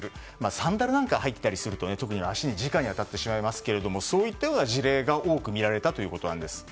サンダルなんかをはいていると足にじかに当たってしまいますがそういったような事例が多く見られたということなんです。